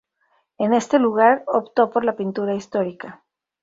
En este lugar optó por la pintura histórica.